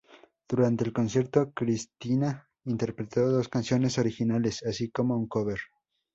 Durante el concierto, Christina interpretó dos canciones originales, así como un cover.